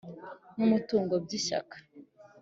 n umutungo by Ishyaka